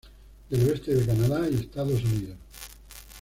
Del oeste de Canadá y Estados Unidos.